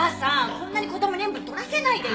こんなに子供に塩分とらせないでよ！